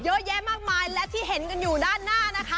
เยอะแยะมากมายและที่เห็นกันอยู่ด้านหน้านะคะ